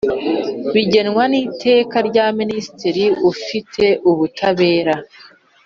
bigenwa n Iteka rya Minisitiri ufite ubutabera